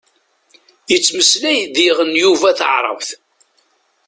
Yettmeslay diɣen Yuba taɛrabt.